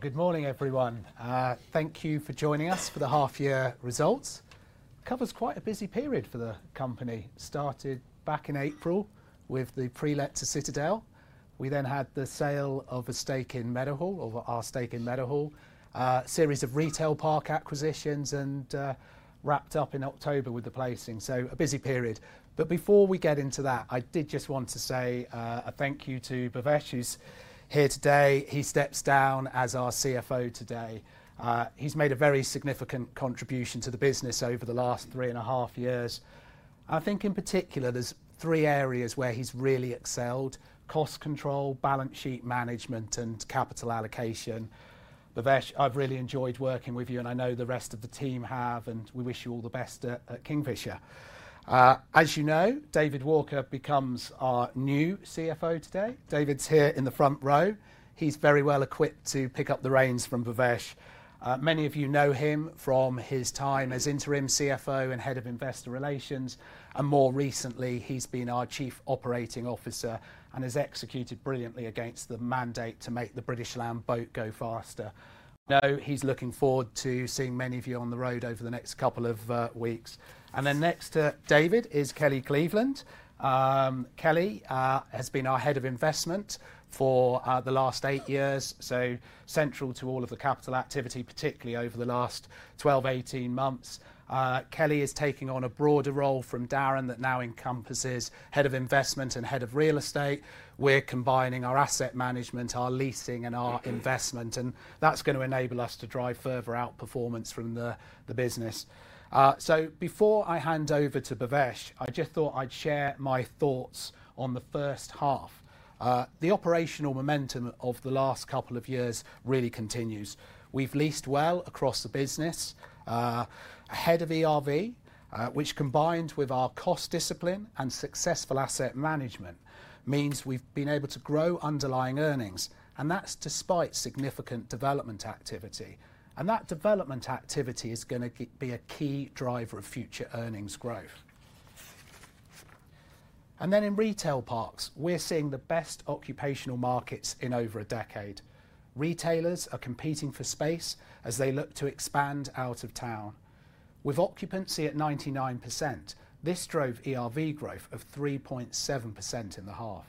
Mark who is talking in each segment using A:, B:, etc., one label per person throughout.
A: Good morning, everyone. Thank you for joining us for the half-year results. It covers quite a busy period for the company. It started back in April with the pre-let to Citadel. We then had the sale of a stake in Meadowhall, or our stake in Meadowhall, a series of retail park acquisitions, and wrapped up in October with the placing. A busy period. But before we get into that, I did just want to say a thank you to Bhavesh, who's here today. He steps down as our CFO today. He's made a very significant contribution to the business over the last three and a half years. I think in particular, there are three areas where he's really excelled: cost control, balance sheet management, and capital allocation. Bhavesh, I've really enjoyed working with you, and I know the rest of the team have, and we wish you all the best at Kingfisher. As you know, David Walker becomes our new CFO today. David's here in the front row. He's very well equipped to pick up the reins from Bhavesh. Many of you know him from his time as interim CFO and Head of Investor Relations, and more recently, he's been our Chief Operating Officer and has executed brilliantly against the mandate to make the British Land boat go faster. I know he's looking forward to seeing many of you on the road over the next couple of weeks. And then next to David is Kelly Cleveland. Kelly has been our Head of Investment for the last eight years, so central to all of the capital activity, particularly over the last 12, 18 months Kelly is taking on a broader role from Darren that now encompasses Head of Investment and Head of Real Estate. We're combining our asset management, our leasing, and our investment, and that's going to enable us to drive further outperformance from the business. So, before I hand over to Bhavesh, I just thought I'd share my thoughts on the first half. The operational momentum of the last couple of years really continues. We've leased well across the business. Ahead of ERV, which combined with our cost discipline and successful asset management, means we've been able to grow underlying earnings, and that's despite significant development activity. And that development activity is going to be a key driver of future earnings growth. And then in retail parks, we're seeing the best occupational markets in over a decade. Retailers are competing for space as they look to expand out of town. With occupancy at 99%, this drove ERV growth of 3.7% in the half.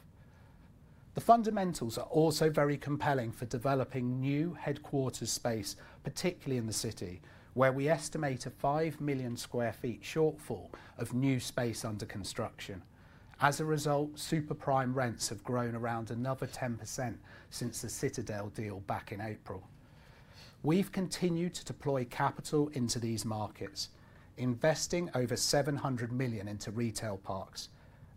A: The fundamentals are also very compelling for developing new headquarters space, particularly in the City, where we estimate a 5 million sq ft shortfall of new space under construction. As a result, super prime rents have grown around another 10% since the Citadel deal back in April. We've continued to deploy capital into these markets, investing over 700 million into retail parks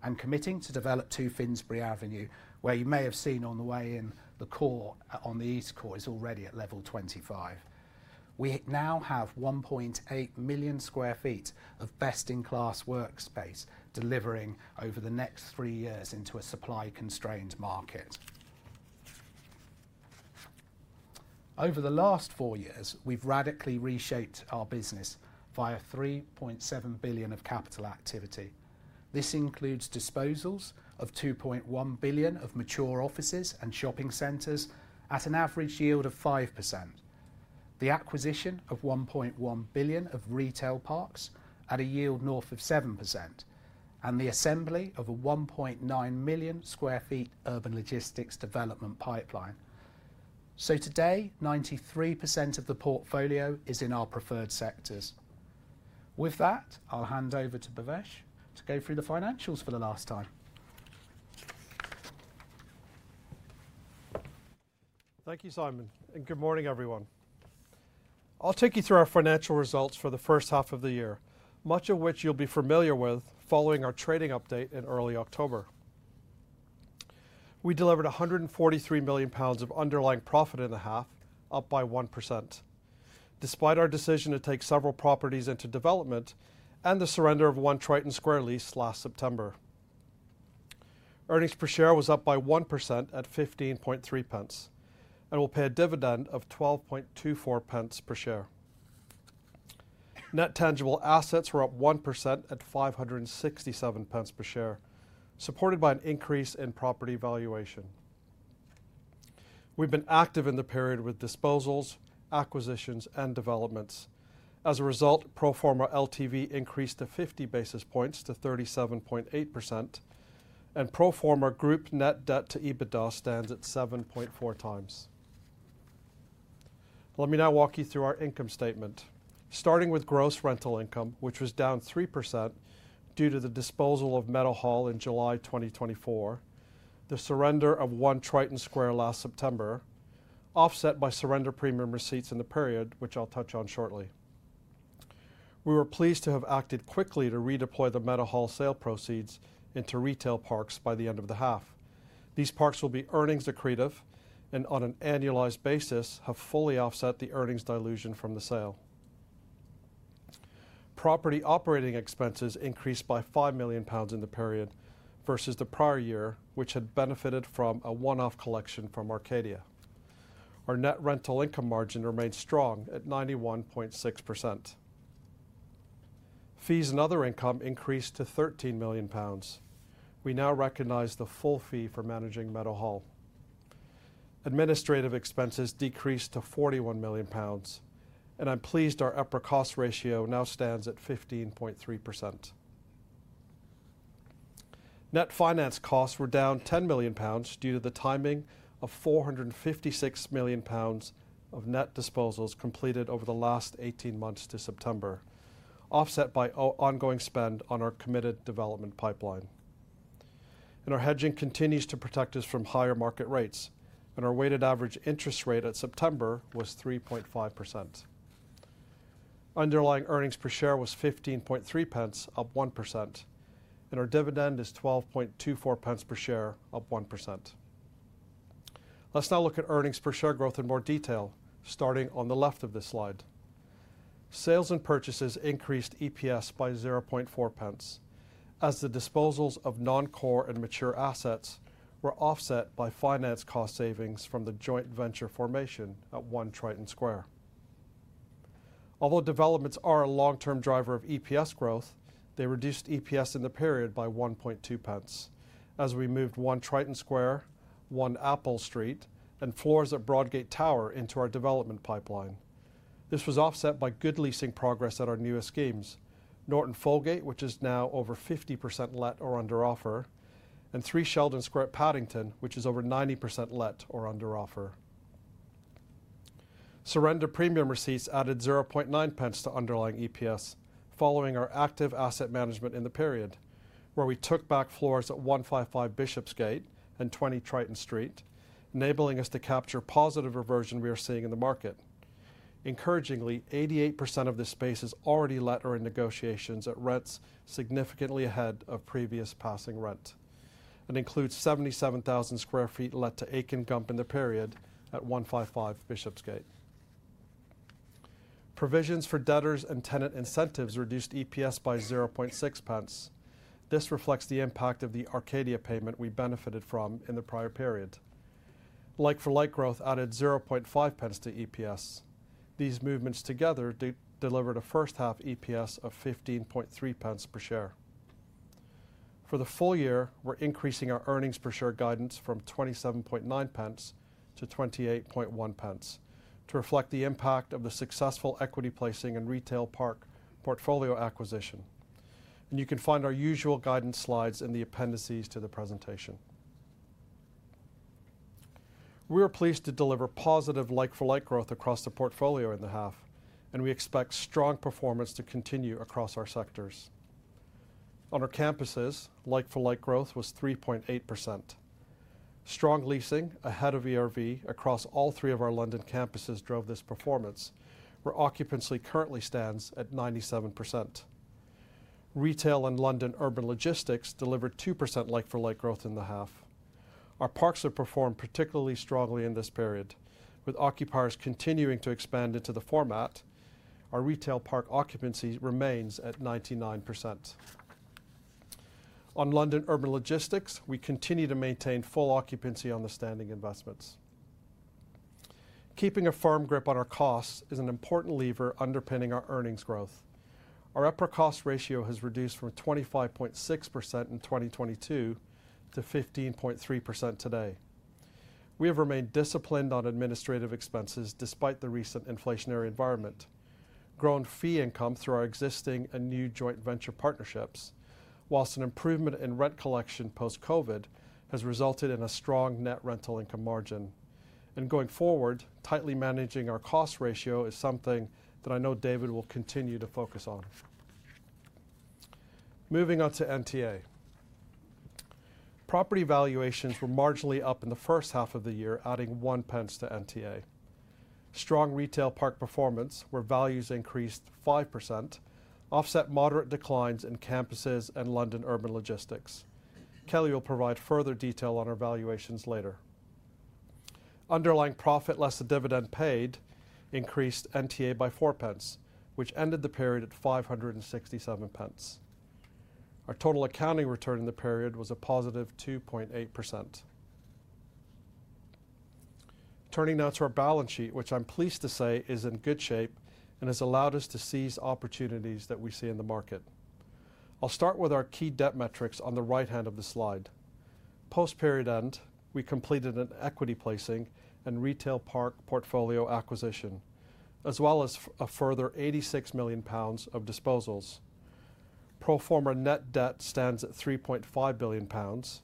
A: and committing to develop 2 Finsbury Avenue, where you may have seen on the way in the core on the east core is already at level 25. We now have 1.8 million sq ft of best-in-class workspace delivering over the next three years into a supply-constrained market. Over the last four years, we've radically reshaped our business via 3.7 billion of capital activity. This includes disposals of 2.1 billion of mature offices and shopping centers at an average yield of 5%, the acquisition of 1.1 billion of retail parks at a yield north of 7%, and the assembly of a 1.9 million sq ft urban logistics development pipeline. So today, 93% of the portfolio is in our preferred sectors. With that, I'll hand over to Bhavesh to go through the financials for the last time.
B: Thank you, Simon. Good morning, everyone. I'll take you through our financial results for the first half of the year, much of which you'll be familiar with following our trading update in early October. We delivered 143 million pounds of underlying profit in the half, up by 1%, despite our decision to take several properties into development and the surrender of One Triton Square lease last September. Earnings per share was up by 1% at 0.153 and we will pay a dividend of 0.1224 per share. Net tangible assets were up 1% at 5.67 per share, supported by an increase in property valuation. We've been active in the period with disposals, acquisitions, and developments. As a result, pro forma LTV increased to 50 basis points to 37.8%, and pro forma group net debt to EBITDA stands at 7.4x. Let me now walk you through our income statement, starting with gross rental income, which was down 3% due to the disposal of Meadowhall in July 2024, the surrender of One Triton Square last September, offset by surrender premium receipts in the period, which I'll touch on shortly. We were pleased to have acted quickly to redeploy the Meadowhall sale proceeds into retail parks by the end of the half. These parks will be earnings accretive and, on an annualized basis, have fully offset the earnings dilution from the sale. Property operating expenses increased by 5 million pounds in the period versus the prior year, which had benefited from a one-off collection from Arcadia. Our net rental income margin remained strong at 91.6%. Fees and other income increased to 13 million pounds. We now recognize the full fee for managing Meadowhall. Administrative expenses decreased to 41 million pounds, and I'm pleased our EPRA cost ratio now stands at 15.3%. Net finance costs were down 10 million pounds due to the timing of 456 million pounds of net disposals completed over the last 18 months to September, offset by ongoing spend on our committed development pipeline. Our hedging continues to protect us from higher market rates, and our weighted average interest rate at September was 3.5%. Underlying earnings per share was 0.153, up 1%, and our dividend is 0.1224 per share, up 1%. Let's now look at earnings per share growth in more detail, starting on the left of this slide. Sales and purchases increased EPS by 0.004 as the disposals of non-core and mature assets were offset by finance cost savings from the joint venture formation at One Triton Square. Although developments are a long-term driver of EPS growth, they reduced EPS in the period by 0.012 as we moved One Triton Square, One Appold Street, and floors at Broadgate Tower into our development pipeline. This was offset by good leasing progress at our newest schemes, Norton Folgate, which is now over 50% let or under offer, and Three Sheldon Square, Paddington, which is over 90% let or under offer. Surrender premium receipts added 0.009 to underlying EPS following our active asset management in the period, where we took back floors at 155 Bishopsgate and 20 Triton Street, enabling us to capture positive reversion we are seeing in the market. Encouragingly, 88% of this space is already let or in negotiations at rents significantly ahead of previous passing rent. It includes 77,000 sq ft let to Akin Gump in the period at 155 Bishopsgate. Provisions for debtors and tenant incentives reduced EPS by 0.006. This reflects the impact of the Arcadia payment we benefited from in the prior period. Like-for-like growth added 0.005 to EPS. These movements together delivered a first half EPS of 0.153 per share. For the full year, we're increasing our earnings per share guidance from 0.279 to 0.281 to reflect the impact of the successful equity placing and retail park portfolio acquisition, and you can find our usual guidance slides in the appendices to the presentation. We are pleased to deliver positive like-for-like growth across the portfolio in the half, and we expect strong performance to continue across our sectors. On our campuses, like-for-like growth was 3.8%. Strong leasing ahead of ERV across all three of our London campuses drove this performance, where occupancy currently stands at 97%. Retail and London urban logistics delivered 2% like-for-like growth in the half. Our parks have performed particularly strongly in this period. With occupiers continuing to expand into the format, our retail park occupancy remains at 99%. On London urban logistics, we continue to maintain full occupancy on the standing investments. Keeping a firm grip on our costs is an important lever underpinning our earnings growth. Our EPRA cost ratio has reduced from 25.6% in 2022 to 15.3% today. We have remained disciplined on administrative expenses despite the recent inflationary environment, grown fee income through our existing and new joint venture partnerships, while an improvement in rent collection post-COVID has resulted in a strong net rental income margin, and going forward, tightly managing our cost ratio is something that I know David will continue to focus on. Moving on to NTA. Property valuations were marginally up in the first half of the year, adding 0.01 to NTA. Strong retail park performance, where values increased 5%, offset moderate declines in campuses and London urban logistics. Kelly will provide further detail on our valuations later. Underlying profit less the dividend paid increased NTA by 0.4, which ended the period at 5.67. Our total accounting return in the period was a positive 2.8%. Turning now to our balance sheet, which I'm pleased to say is in good shape and has allowed us to seize opportunities that we see in the market. I'll start with our key debt metrics on the right hand of the slide. Post-period end, we completed an equity placing and retail park portfolio acquisition, as well as a further 86 million pounds of disposals. Pro forma net debt stands at 3.5 billion pounds.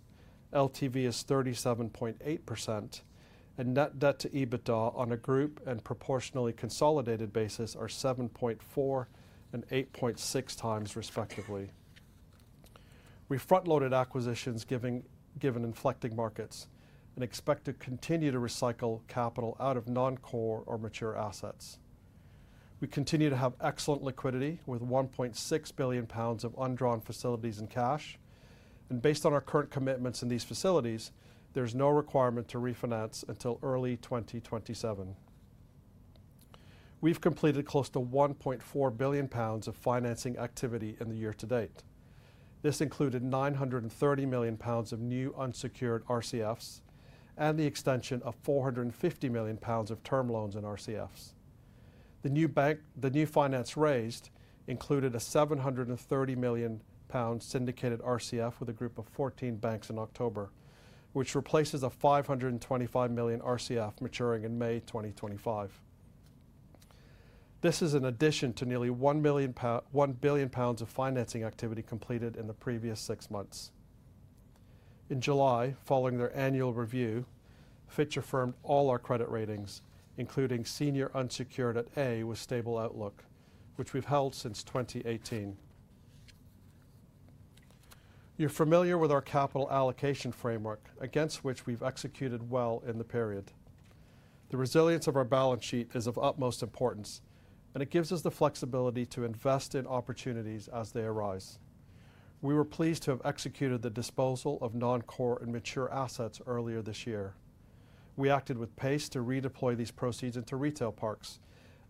B: LTV is 37.8%, and net debt to EBITDA on a group and proportionally consolidated basis are 7.4x and 8.6x, respectively. We front-loaded acquisitions given inflecting markets and expect to continue to recycle capital out of non-core or mature assets. We continue to have excellent liquidity with 1.6 billion pounds of undrawn facilities in cash. Based on our current commitments in these facilities, there's no requirement to refinance until early 2027. We've completed close to 1.4 billion pounds of financing activity in the year to date. This included 930 million pounds of new unsecured RCFs and the extension of 450 million pounds of term loans and RCFs. The new finance raised included a 730 million pound syndicated RCF with a group of 14 banks in October, which replaces a 525 million RCF maturing in May 2025. This is in addition to nearly 1 billion pounds of financing activity completed in the previous six months. In July, following their annual review, Fitch affirmed all our credit ratings, including senior unsecured at A with stable outlook, which we've held since 2018. You're familiar with our capital allocation framework, against which we've executed well in the period. The resilience of our balance sheet is of utmost importance, and it gives us the flexibility to invest in opportunities as they arise. We were pleased to have executed the disposal of non-core and mature assets earlier this year. We acted with pace to redeploy these proceeds into retail parks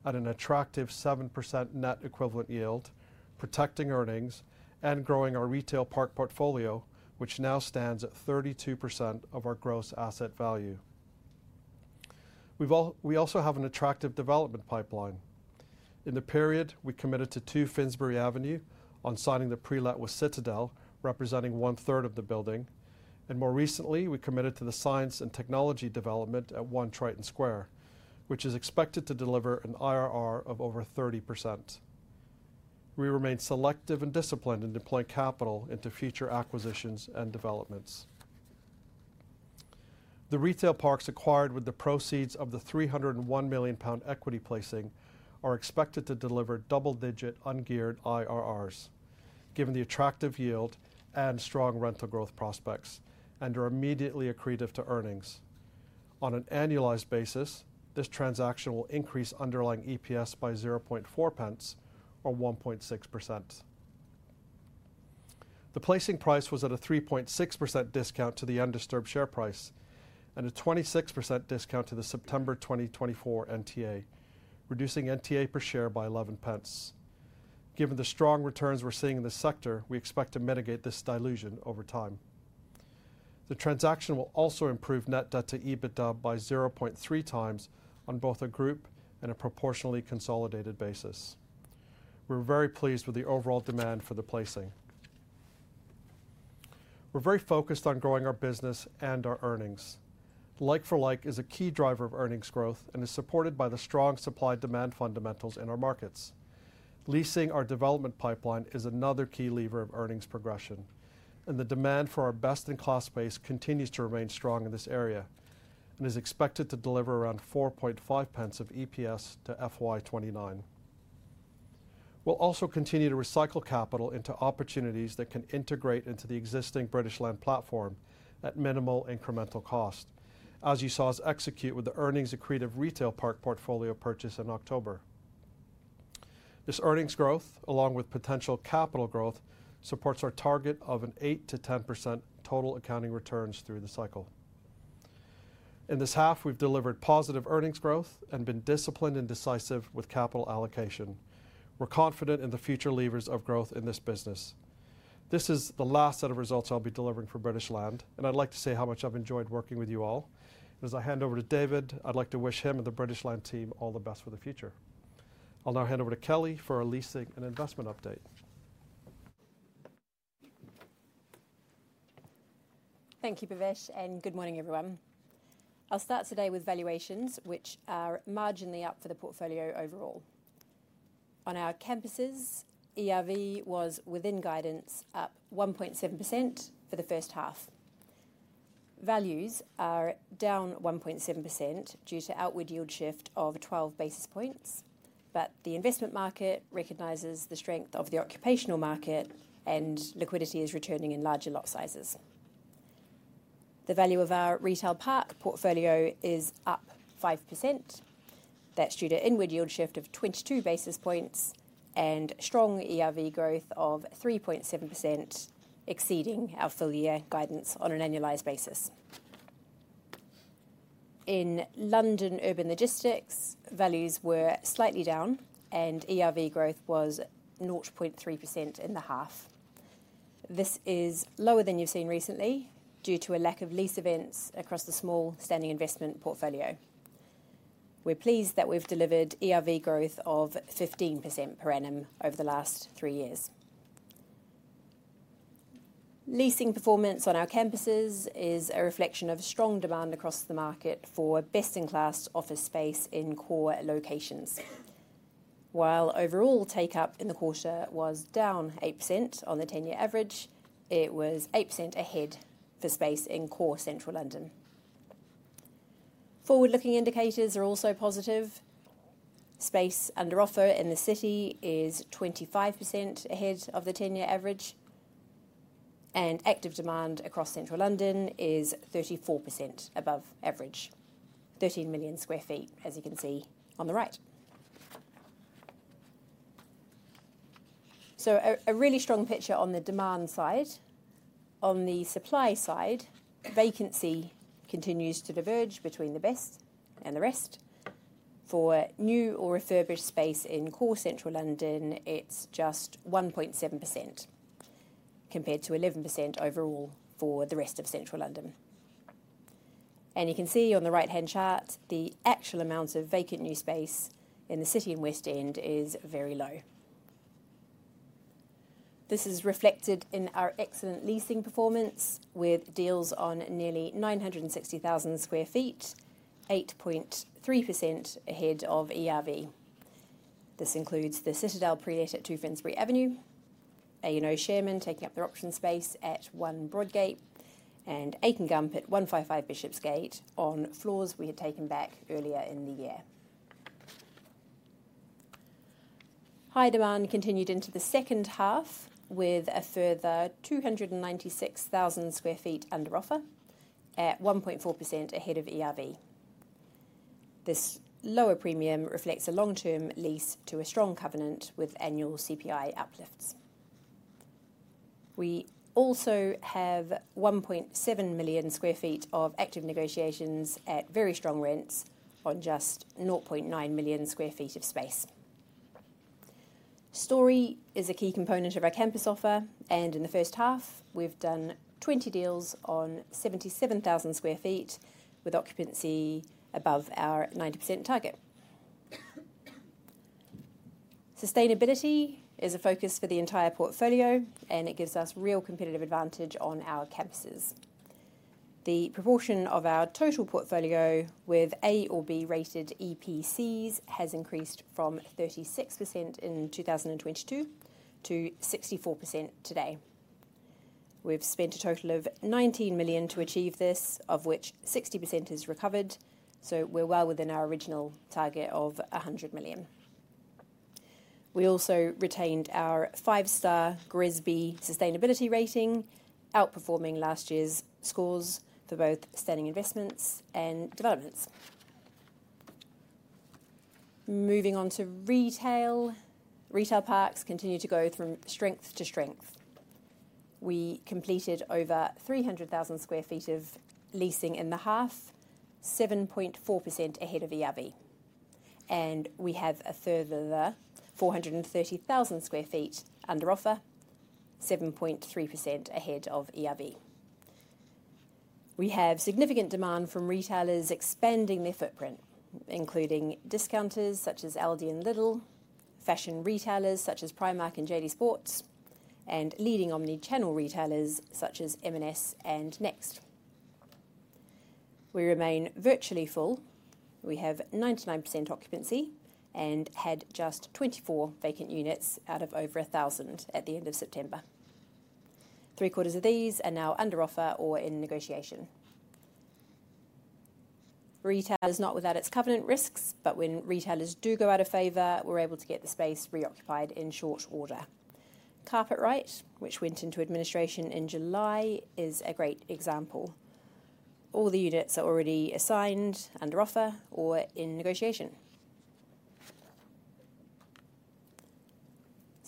B: at an attractive 7% net equivalent yield, protecting earnings and growing our retail park portfolio, which now stands at 32% of our gross asset value. We also have an attractive development pipeline. In the period, we committed to 2 Finsbury Avenue on signing the pre-let with Citadel, representing one-third of the building, and more recently, we committed to the science and technology development at One Triton Square, which is expected to deliver an IRR of over 30%. We remain selective and disciplined in deploying capital into future acquisitions and developments. The retail parks acquired with the proceeds of the 301 million pound equity placing are expected to deliver double-digit ungeared IRRs, given the attractive yield and strong rental growth prospects, and are immediately accretive to earnings. On an annualized basis, this transaction will increase underlying EPS by 0.004 or 1.6%. The placing price was at a 3.6% discount to the undisturbed share price and a 26% discount to the September 2024 NTA, reducing NTA per share by 0.11. Given the strong returns we're seeing in this sector, we expect to mitigate this dilution over time. The transaction will also improve net debt to EBITDA by 0.3x on both a group and a proportionally consolidated basis. We're very pleased with the overall demand for the placing. We're very focused on growing our business and our earnings. Like-for-like is a key driver of earnings growth and is supported by the strong supply-demand fundamentals in our markets. Leasing our development pipeline is another key lever of earnings progression, and the demand for our best-in-class space continues to remain strong in this area and is expected to deliver around 0.045 pence of EPS to FY 2029. We'll also continue to recycle capital into opportunities that can integrate into the existing British Land Platform at minimal incremental cost, as you saw us execute with the earnings accretive retail park portfolio purchase in October. This earnings growth, along with potential capital growth, supports our target of an 8%-10% total accounting returns through the cycle. In this half, we've delivered positive earnings growth and been disciplined and decisive with capital allocation. We're confident in the future levers of growth in this business. This is the last set of results I'll be delivering for British Land, and I'd like to say how much I've enjoyed working with you all. As I hand over to David, I'd like to wish him and the British Land team all the best for the future. I'll now hand over to Kelly for our leasing and investment update.
C: Thank you, Bhavesh, and good morning, everyone. I'll start today with valuations, which are marginally up for the portfolio overall. On our campuses, ERV was within guidance, up 1.7% for the first half. Values are down 1.7% due to outward yield shift of 12 basis points, but the investment market recognizes the strength of the occupational market, and liquidity is returning in larger lot sizes. The value of our retail park portfolio is up 5%. That's due to inward yield shift of 22 basis points and strong ERV growth of 3.7%, exceeding our full-year guidance on an annualized basis. In London urban logistics, values were slightly down, and ERV growth was 0.3% in the half. This is lower than you've seen recently due to a lack of lease events across the small standing investment portfolio. We're pleased that we've delivered ERV growth of 15% per annum over the last three years. Leasing performance on our campuses is a reflection of strong demand across the market for best-in-class office space in core locations. While overall take-up in the quarter was down 8% on the 10-year average, it was 8% ahead for space in core central London. Forward-looking indicators are also positive. Space under offer in the City is 25% ahead of the 10-year average, and active demand across central London is 34% above average, 13 million sq ft, as you can see on the right, so a really strong picture on the demand side. On the supply side, vacancy continues to diverge between the best and the rest. For new or refurbished space in core central London, it's just 1.7% compared to 11% overall for the rest of central London, and you can see on the right-hand chart, the actual amounts of vacant new space in the City and West End is very low. This is reflected in our excellent leasing performance with deals on nearly 960,000 sq ft, 8.3% ahead of ERV. This includes the Citadel pre-let at 2 Finsbury Avenue, A&O Shearman taking up their option space at One Broadgate, and Akin Gump at 155 Bishopsgate on floors we had taken back earlier in the year. High demand continued into the second half with a further 296,000 sq ft under offer at 1.4% ahead of ERV. This lower premium reflects a long-term lease to a strong covenant with annual CPI uplifts. We also have 1.7 million sq ft of active negotiations at very strong rents on just 0.9 million sq ft of space. Storey is a key component of our campus offer, and in the first half, we've done 20 deals on 77,000 sq ft with occupancy above our 90% target. Sustainability is a focus for the entire portfolio, and it gives us real competitive advantage on our campuses. The proportion of our total portfolio with A or B-rated EPCs has increased from 36% in 2022 to 64% today. We've spent a total of 19 million to achieve this, of which 60% is recovered, so we're well within our original target of 100 million. We also retained our five-star GRESB sustainability rating, outperforming last year's scores for both standing investments and developments. Moving on to retail, retail parks continue to go from strength to strength. We completed over 300,000 sq ft of leasing in the half, 7.4% ahead of ERV, and we have a further 430,000 sq ft under offer, 7.3% ahead of ERV. We have significant demand from retailers expanding their footprint, including discounters such as Aldi and Lidl, fashion retailers such as Primark and JD Sports, and leading omnichannel retailers such as M&S and Next. We remain virtually full. We have 99% occupancy and had just 24 vacant units out of over 1,000 at the end of September. Three-quarters of these are now under offer or in negotiation. Retail is not without its covenant risks, but when retailers do go out of favor, we're able to get the space reoccupied in short order. Carpetright, which went into administration in July, is a great example. All the units are already assigned under offer or in negotiation.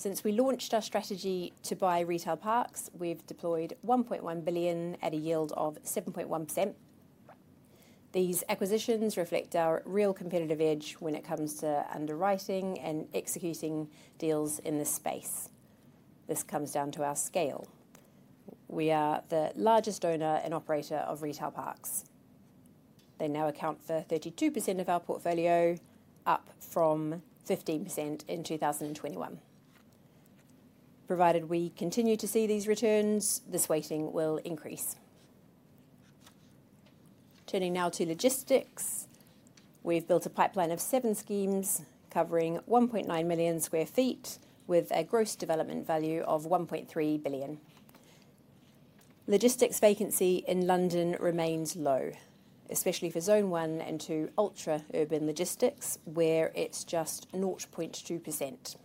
C: Since we launched our strategy to buy retail parks, we've deployed 1.1 billion at a yield of 7.1%. These acquisitions reflect our real competitive edge when it comes to underwriting and executing deals in this space. This comes down to our scale. We are the largest owner and operator of retail parks. They now account for 32% of our portfolio, up from 15% in 2021. Provided we continue to see these returns, this weighting will increase. Turning now to logistics, we've built a pipeline of seven schemes covering 1.9 million sq ft with a gross development value of 1.3 billion. Logistics vacancy in London remains low, especially for Zone 1 and 2 ultra urban logistics, where it's just 0.2%.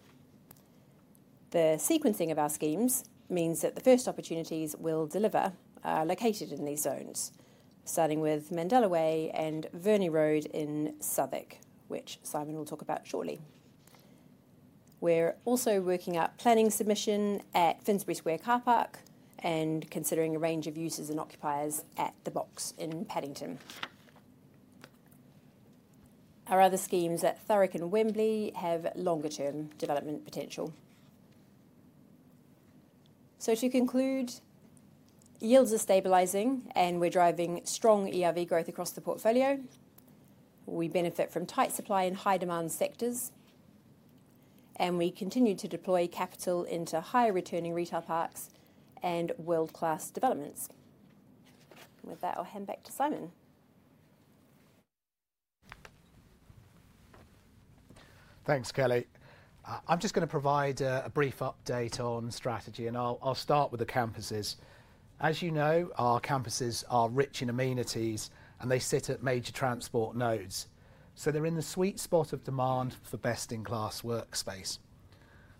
C: The sequencing of our schemes means that the first opportunities we'll deliver are located in these zones, starting with Mandela Way and Verney Road in Southwark, which Simon will talk about shortly. We're also working at planning submission at Finsbury Square Car Park and considering a range of users and occupiers at The Box in Paddington. Our other schemes at Thurrock and Wembley have longer-term development potential. So to conclude, yields are stabilizing, and we're driving strong ERV growth across the portfolio. We benefit from tight supply in high-demand sectors, and we continue to deploy capital into higher-returning retail parks and world-class developments. With that, I'll hand back to Simon.
A: Thanks, Kelly. I'm just going to provide a brief update on strategy, and I'll start with the campuses. As you know, our campuses are rich in amenities, and they sit at major transport nodes. So they're in the sweet spot of demand for best-in-class workspace.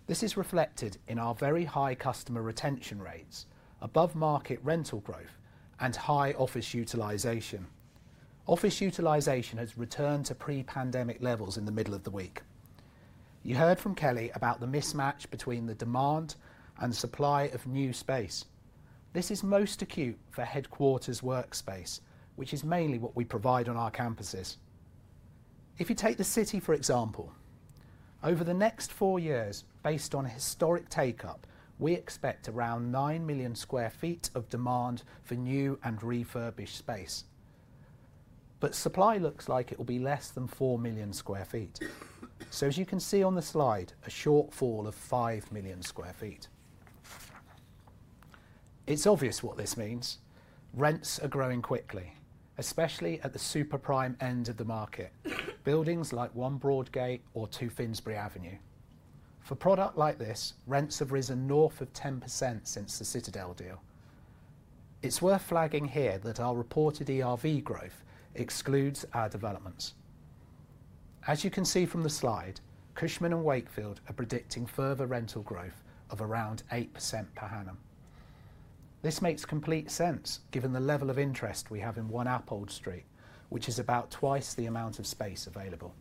A: This is reflected in our very high customer retention rates, above-market rental growth, and high office utilization. Office utilization has returned to pre-pandemic levels in the middle of the week. You heard from Kelly about the mismatch between the demand and supply of new space. This is most acute for headquarters workspace, which is mainly what we provide on our campuses. If you take the City, for example, over the next four years, based on a historic take-up, we expect around 9 million sq ft of demand for new and refurbished space. But supply looks like it will be less than 4 million sq ft. So as you can see on the slide, a shortfall of 5 million sq ft. It's obvious what this means. Rents are growing quickly, especially at the super prime end of the market, buildings like One Broadgate or 2 Finsbury Avenue. For product like this, rents have risen north of 10% since the Citadel deal. It's worth flagging here that our reported ERV growth excludes our developments. As you can see from the slide, Cushman & Wakefield are predicting further rental growth of around eight% per annum. This makes complete sense given the level of interest we have in One Appold Street, which is about twice the amount of space available.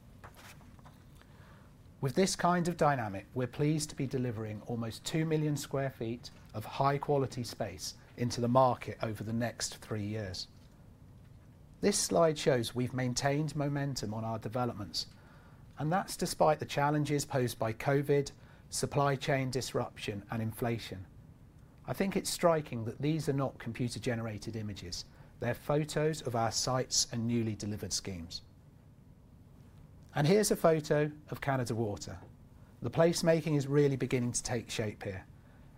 A: With this kind of dynamic, we're pleased to be delivering almost two million sq ft of high-quality space into the market over the next three years. This slide shows we've maintained momentum on our developments, and that's despite the challenges posed by COVID, supply chain disruption, and inflation. I think it's striking that these are not computer-generated images. They're photos of our sites and newly delivered schemes. And here's a photo of Canada Water. The placemaking is really beginning to take shape here.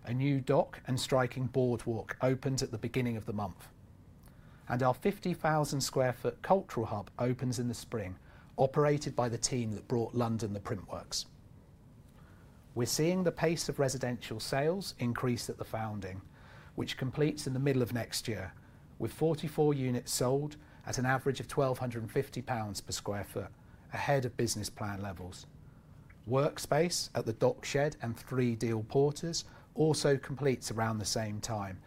A: A new dock and striking boardwalk opened at the beginning of the month. And our 50,000 sq ft cultural hub opens in the spring, operated by the team that brought London the Printworks. We're seeing the pace of residential sales increase at The Founding, which completes in the middle of next year, with 44 units sold at an average of 1,250 pounds per sq ft, ahead of business plan levels. Workspaces at The Dock Shed and Three Deal Porters also complete around the same time,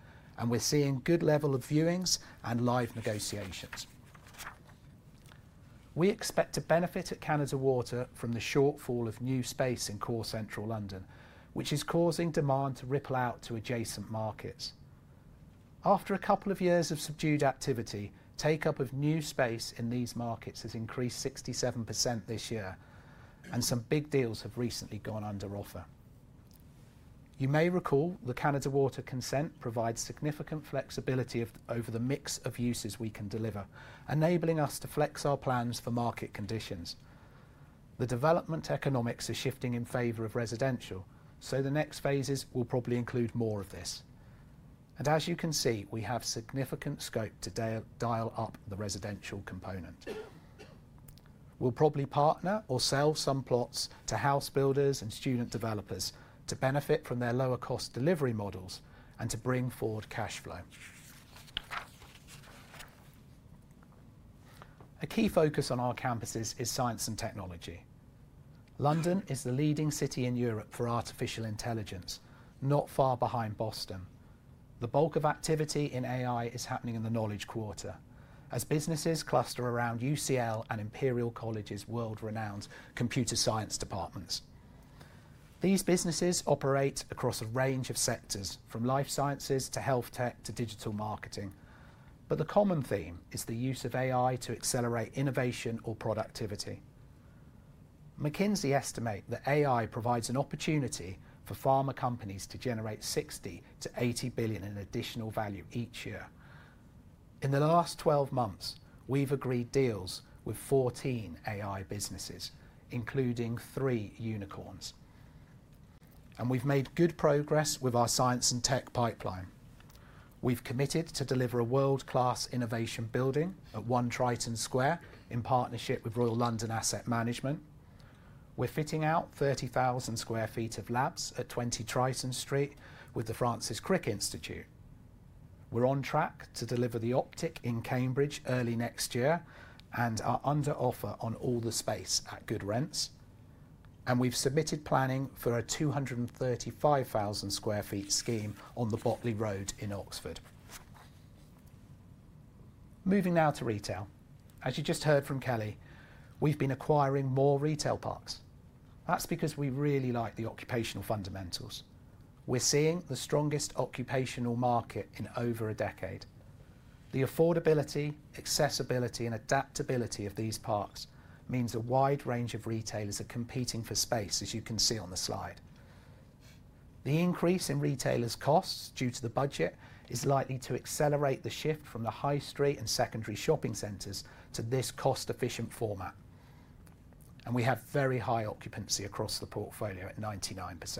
A: and we're seeing good level of viewings and live negotiations. We expect to benefit at Canada Water from the shortfall of new space in core central London, which is causing demand to ripple out to adjacent markets. After a couple of years of subdued activity, take-up of new space in these markets has increased 67% this year, and some big deals have recently gone under offer. You may recall the Canada Water consent provides significant flexibility over the mix of uses we can deliver, enabling us to flex our plans for market conditions. The development economics are shifting in favor of residential, so the next phases will probably include more of this, and as you can see, we have significant scope to dial up the residential component. We'll probably partner or sell some plots to house builders and student developers to benefit from their lower-cost delivery models and to bring forward cash flow. A key focus on our campuses is science and technology. London is the leading city in Europe for artificial intelligence, not far behind Boston. The bulk of activity in AI is happening in the Knowledge Quarter, as businesses cluster around UCL and Imperial College's world-renowned computer science departments. These businesses operate across a range of sectors, from life sciences to health tech to digital marketing. But the common theme is the use of AI to accelerate innovation or productivity. McKinsey estimate that AI provides an opportunity for pharma companies to generate 60 billion-80 billion in additional value each year. In the last 12 months, we've agreed deals with 14 AI businesses, including three unicorns. We've made good progress with our science and tech pipeline. We've committed to deliver a world-class innovation building at One Triton Square in partnership with Royal London Asset Management. We're fitting out 30,000 sq ft of labs at 20 Triton Street with the Francis Crick Institute. We're on track to deliver the Optic in Cambridge early next year and are under offer on all the space at good rents. We've submitted planning for a 235,000 sq ft scheme on the Botley Road in Oxford. Moving now to retail. As you just heard from Kelly, we've been acquiring more retail parks. That's because we really like the occupational fundamentals. We're seeing the strongest occupational market in over a decade. The affordability, accessibility, and adaptability of these parks means a wide range of retailers are competing for space, as you can see on the slide. The increase in retailers' costs due to the budget is likely to accelerate the shift from the high street and secondary shopping centres to this cost-efficient format. And we have very high occupancy across the portfolio at 99%.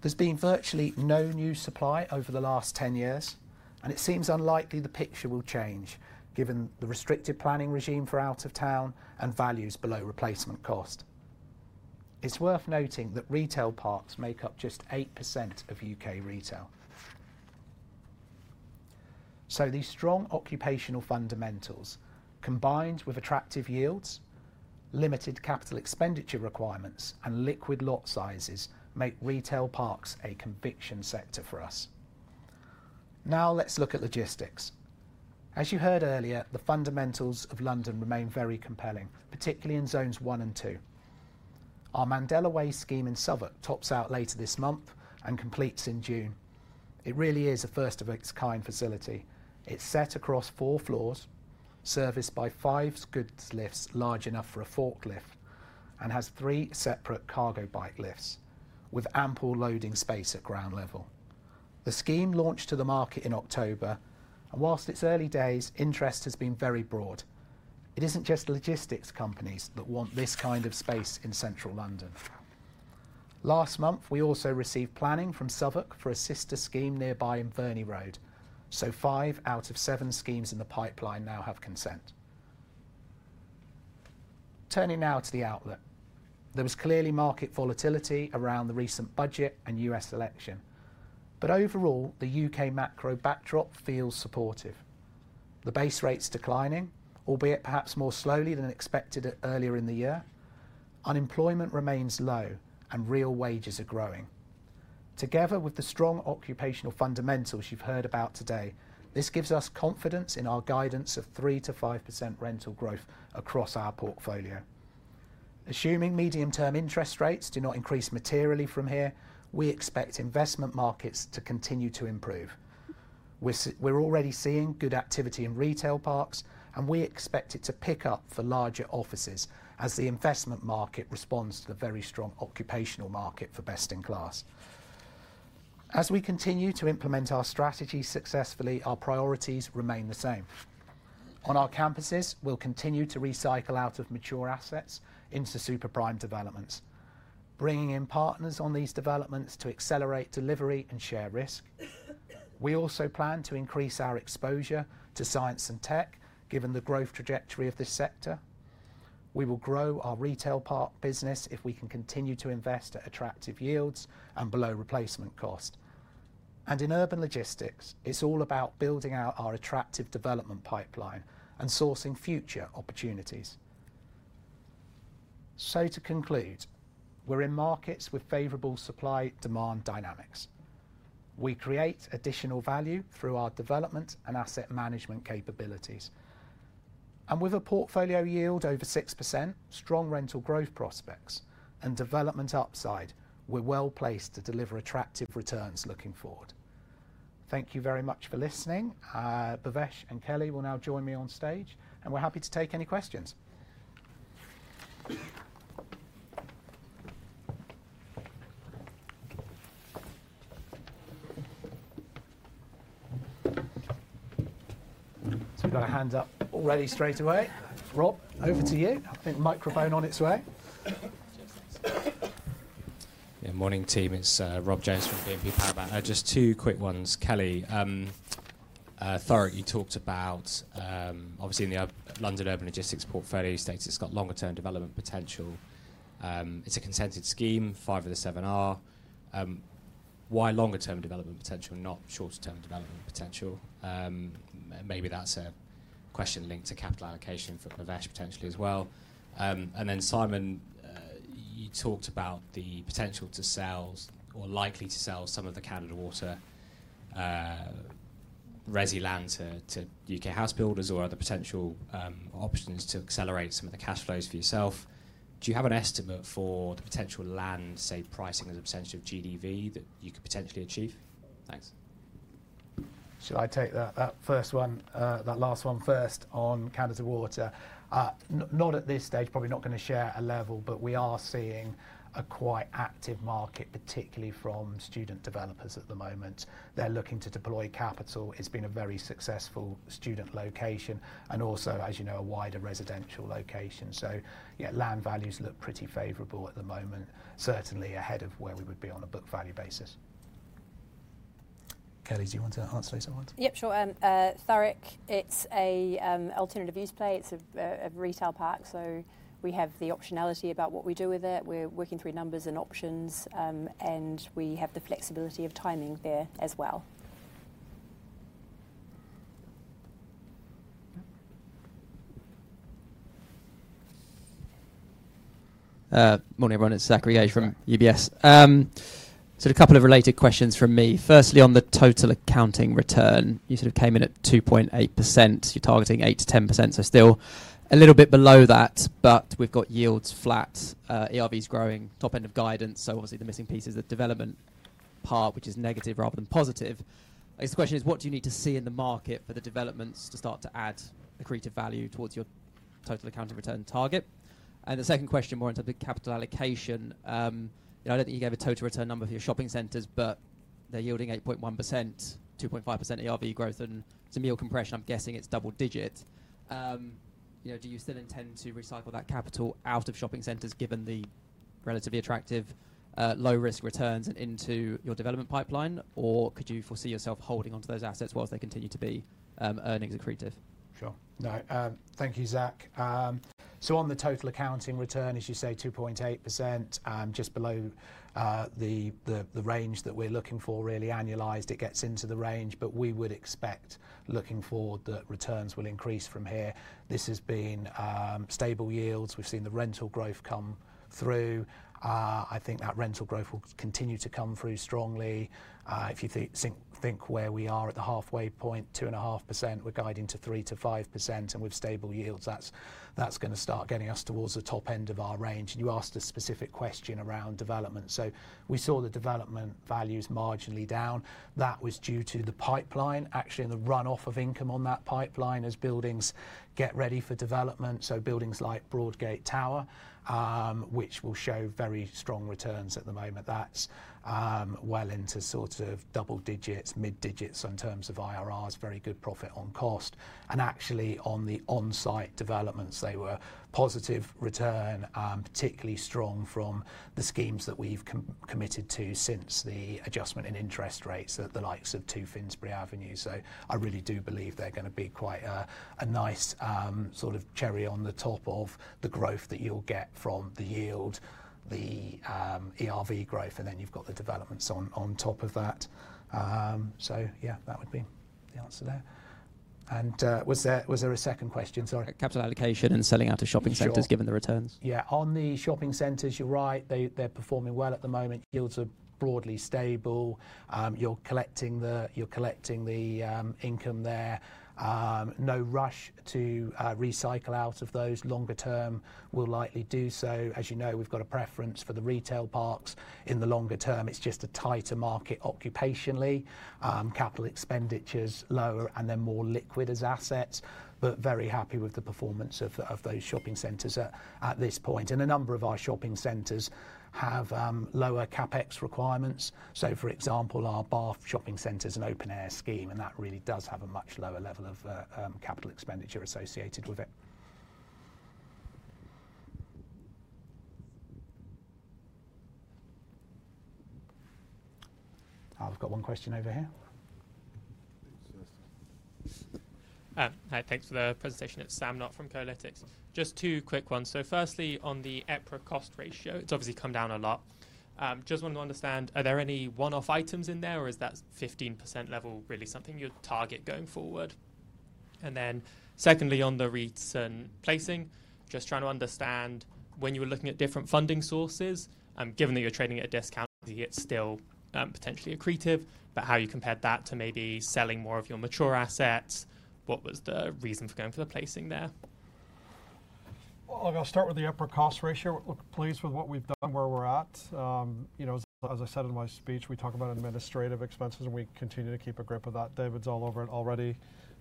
A: There's been virtually no new supply over the last 10 years, and it seems unlikely the picture will change given the restrictive planning regime for out of town and values below replacement cost. It's worth noting that retail parks make up just 8% of U.K. retail. So these strong occupational fundamentals, combined with attractive yields, limited capital expenditure requirements, and liquid lot sizes, make retail parks a conviction sector for us. Now let's look at logistics. As you heard earlier, the fundamentals of London remain very compelling, particularly in Zones 1 and 2. Our Mandela Way scheme in Southwark tops out later this month and completes in June. It really is a first-of-its-kind facility. It's set across four floors, serviced by five goods lifts large enough for a forklift, and has three separate cargo bike lifts with ample loading space at ground level. The scheme launched to the market in October, and while it's early days, interest has been very broad. It isn't just logistics companies that want this kind of space in central London. Last month, we also received planning from Southwark for a sister scheme nearby in Verney Road. So five out of seven schemes in the pipeline now have consent. Turning now to the outlook. There was clearly market volatility around the recent budget and U.S. election. But overall, the U.K. macro backdrop feels supportive. The base rate's declining, albeit perhaps more slowly than expected earlier in the year. Unemployment remains low, and real wages are growing. Together with the strong occupational fundamentals you've heard about today, this gives us confidence in our guidance of 3%-5% rental growth across our portfolio. Assuming medium-term interest rates do not increase materially from here, we expect investment markets to continue to improve. We're already seeing good activity in retail parks, and we expect it to pick up for larger offices as the investment market responds to the very strong occupational market for best-in-class. As we continue to implement our strategy successfully, our priorities remain the same. On our campuses, we'll continue to recycle out of mature assets into super prime developments, bringing in partners on these developments to accelerate delivery and share risk. We also plan to increase our exposure to science and tech, given the growth trajectory of this sector. We will grow our retail park business if we can continue to invest at attractive yields and below replacement cost. And in urban logistics, it's all about building out our attractive development pipeline and sourcing future opportunities. So to conclude, we're in markets with favorable supply-demand dynamics. We create additional value through our development and asset management capabilities. And with a portfolio yield over 6%, strong rental growth prospects, and development upside, we're well placed to deliver attractive returns looking forward. Thank you very much for listening. Bhavesh and Kelly will now join me on stage, and we're happy to take any questions. So we've got a hand up already straightaway. Rob, over to you. I think the microphone on its way.
D: Good morning, team. It's Rob Jones from BNP Paribas. Just two quick ones. Kelly, Thurrock, you talked about, obviously, in the London urban logistics portfolio, you stated it's got longer-term development potential. It's a consented scheme, five of the seven are. Why longer-term development potential and not short-term development potential? Maybe that's a question linked to capital allocation for Bhavesh potentially as well. And then Simon, you talked about the potential to sell or likely to sell some of the Canada Water, resi land to U.K. house builders or other potential options to accelerate some of the cash flows for yourself. Do you have an estimate for the potential land, say, pricing as a percentage of GDV that you could potentially achieve? Thanks.
A: Shall I take that first one, that last one first on Canada Water? Not at this stage, probably not going to share a level, but we are seeing a quite active market, particularly from student developers at the moment. They're looking to deploy capital. It's been a very successful student location and also, as you know, a wider residential location. So yeah, land values look pretty favorable at the moment, certainly ahead of where we would be on a book value basis. Kelly, do you want to answer this one?
C: Yep, sure. Thurrock, it's an alternative use play. It's a retail park, so we have the optionality about what we do with it. We're working through numbers and options, and we have the flexibility of timing there as well.
E: Morning, everyone. It's Zachary Gauge from UBS. So a couple of related questions from me. Firstly, on the total accounting return, you sort of came in at 2.8%. You're targeting 8%-10%, so still a little bit below that, but we've got yields flat, ERVs growing, top end of guidance. So obviously, the missing piece is the development part, which is negative rather than positive. I guess the question is, what do you need to see in the market for the developments to start to add accretive value towards your total accounting return target? And the second question, more in terms of capital allocation, I don't think you gave a total return number for your shopping centers, but they're yielding 8.1%, 2.5% ERV growth, and rental compression, I'm guessing it's double digit. Do you still intend to recycle that capital out of shopping centers, given the relatively attractive low-risk returns and into your development pipeline, or could you foresee yourself holding onto those assets while they continue to be earnings accretive?
A: Sure. No, thank you, Zach. On the Total Accounting Return, as you say, 2.8%, just below the range that we're looking for. Really annualized, it gets into the range, but we would expect, looking forward, that returns will increase from here. This has been stable yields. We've seen the rental growth come through. I think that rental growth will continue to come through strongly. If you think where we are at the halfway point, 2.5%, we're guiding to 3%-5%, and with stable yields, that's going to start getting us towards the top end of our range. You asked a specific question around development. We saw the development values marginally down. That was due to the pipeline, actually, and the run-off of income on that pipeline as buildings get ready for development. So, buildings like Broadgate Tower, which will show very strong returns at the moment, that's well into sort of double digits, mid-digits in terms of IRRs, very good profit on cost. And actually, on the on-site developments, they were positive return, particularly strong from the schemes that we've committed to since the adjustment in interest rates at the likes of 2 Finsbury Avenue. So I really do believe they're going to be quite a nice sort of cherry on the top of the growth that you'll get from the yield, the ERV growth, and then you've got the developments on top of that. So yeah, that would be the answer there. And was there a second question? Sorry.
E: Capital allocation and selling out of shopping centers, given the returns?
A: Yeah, on the shopping centers, you're right. They're performing well at the moment. Yields are broadly stable. You're collecting the income there. No rush to recycle out of those. Longer term will likely do so. As you know, we've got a preference for the retail parks in the longer term. It's just a tighter market occupationally. Capital expenditures lower and then more liquid as assets, but very happy with the performance of those shopping centers at this point, and a number of our shopping centers have lower CapEx requirements, so for example, our Bath shopping center is an open-air scheme, and that really does have a much lower level of capital expenditure associated with it. I've got one question over here.
F: Hi, thanks for the presentation. It's Sam Knott from Kolytics. Just two quick ones. So firstly, on the EPRA cost ratio, it's obviously come down a lot. Just want to understand, are there any one-off items in there, or is that 15% level really something you'd target going forward? And then secondly, on the retail placing, just trying to understand when you were looking at different funding sources, given that you're trading at a discount, it's still potentially accretive, but how you compared that to maybe selling more of your mature assets. What was the reason for going for the placing there?
B: I'll start with the EPRA Cost Ratio. We're pleased with what we've done and where we're at. As I said in my speech, we talk about administrative expenses, and we continue to keep a grip of that. David's all over it already.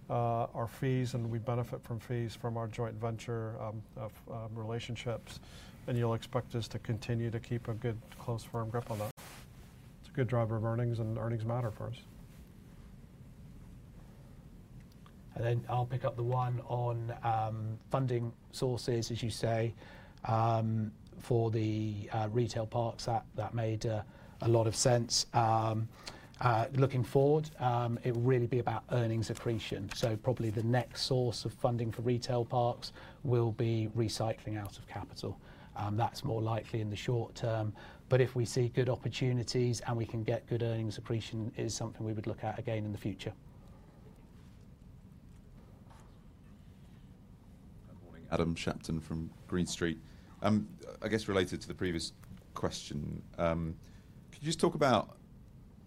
B: Our fees, and we benefit from fees from our joint venture relationships. You'll expect us to continue to keep a good, close firm grip on that. It's a good driver of earnings, and earnings matter for us.
A: And then I'll pick up the one on funding sources, as you say, for the retail parks. That made a lot of sense. Looking forward, it will really be about earnings accretion. So probably the next source of funding for retail parks will be recycling out of capital. That's more likely in the short term. But if we see good opportunities and we can get good earnings accretion, it is something we would look at again in the future.
G: Good morning, Adam Shapton from Green Street. I guess related to the previous question, could you just talk about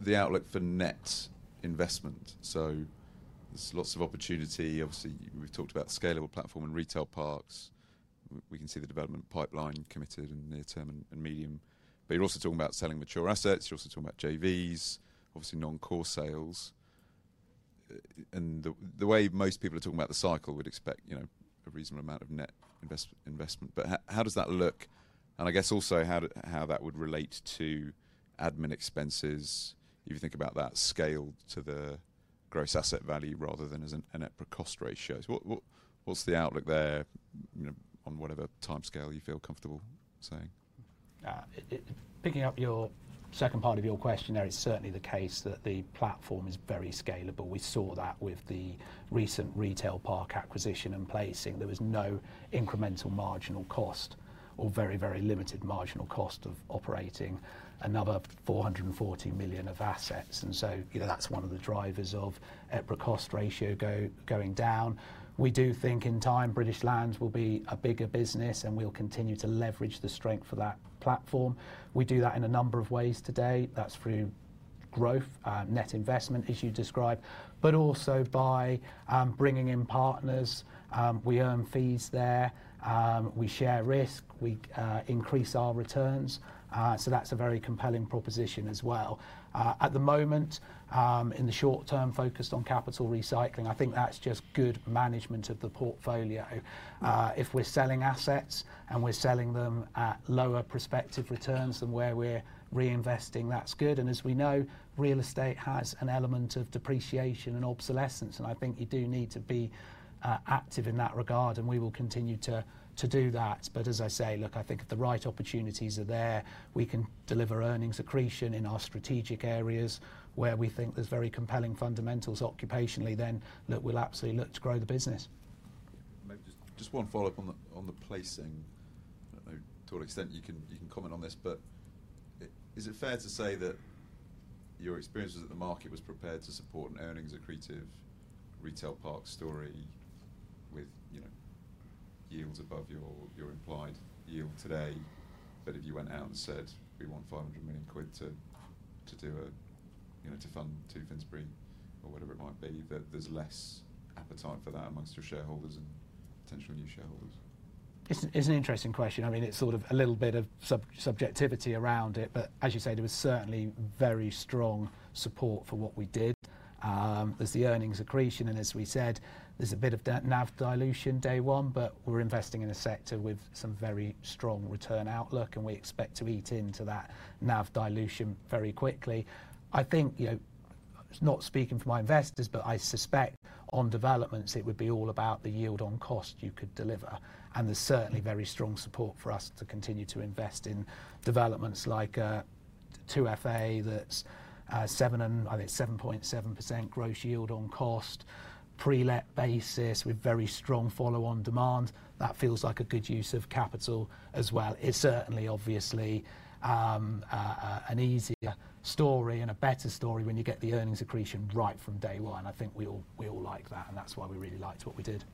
G: the outlook for net investment? So there's lots of opportunity. Obviously, we've talked about the scalable platform and retail parks. We can see the development pipeline committed in near-term and medium-term. But you're also talking about selling mature assets. You're also talking about JVs, obviously non-core sales. And the way most people are talking about the cycle would expect a reasonable amount of net investment. But how does that look? And I guess also how that would relate to admin expenses, if you think about that scaled to the gross asset value rather than as an EPRA cost ratio. What's the outlook there on whatever timescale you feel comfortable saying?
A: Picking up your second part of your question, there is certainly the case that the platform is very scalable. We saw that with the recent retail park acquisition and placing. There was no incremental marginal cost or very, very limited marginal cost of operating another 440 million of assets. And so that's one of the drivers of EPRA Cost Ratio going down. We do think in time British Land will be a bigger business, and we'll continue to leverage the strength for that platform. We do that in a number of ways today. That's through growth, net investment, as you described, but also by bringing in partners. We earn fees there. We share risk. We increase our returns. So that's a very compelling proposition as well. At the moment, in the short term, focused on capital recycling, I think that's just good management of the portfolio. If we're selling assets and we're selling them at lower prospective returns than where we're reinvesting, that's good, and as we know, real estate has an element of depreciation and obsolescence, and I think you do need to be active in that regard, and we will continue to do that, but as I say, look, I think the right opportunities are there. We can deliver earnings accretion in our strategic areas where we think there's very compelling fundamentals occupationally, then, look, we'll absolutely look to grow the business.
G: Just one follow-up on the placing. I don't know to what extent you can comment on this, but is it fair to say that your experience was that the market was prepared to support an earnings accretive retail park story with yields above your implied yield today? But if you went out and said, "We want 500 million quid to fund 2 Finsbury or whatever it might be," there's less appetite for that amongst your shareholders and potential new shareholders?
A: It's an interesting question. I mean, it's sort of a little bit of subjectivity around it, but as you say, there was certainly very strong support for what we did. There's the earnings accretion, and as we said, there's a bit of NAV dilution day one, but we're investing in a sector with some very strong return outlook, and we expect to eat into that NAV dilution very quickly. I think, not speaking for my investors, but I suspect on developments, it would be all about the yield on cost you could deliver, and there's certainly very strong support for us to continue to invest in developments like 2FA that's 7.7% gross yield on cost, pre-let basis with very strong follow-on demand. That feels like a good use of capital as well. It's certainly, obviously, an easier story and a better story when you get the earnings accretion right from day one. I think we all like that, and that's why we really liked what we did.